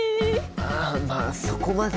ああまあそこまでは。